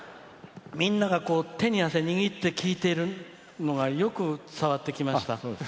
みんなが手に汗握って聴いてるのがよく伝わってきました。